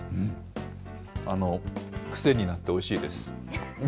あの、癖になっておいしいです。